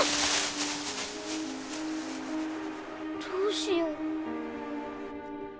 どうしよう。